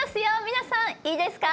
皆さん、いいですか。